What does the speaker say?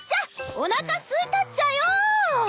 おなかすいたっちゃよ！